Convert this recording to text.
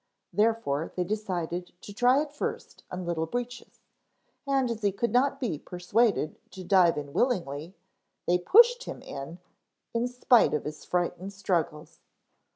Therefore they decided to try it first on Little Breeches, and as he could not be persuaded to dive in willingly they pushed him in in spite of his frightened struggles.